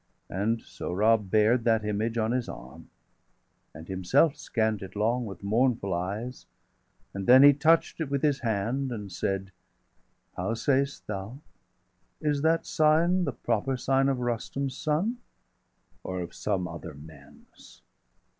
And Sohrab bared that image on his arm, And himself scann'd it long with mournful eyes, 685 And then he touch'd it with his hand and said: "How say'st thou? Is that sign the proper sign Of Rustum's son, or of some other man's?"